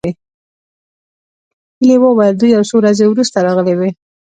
هيلې وویل دوی یو څو ورځې وروسته راغلې وې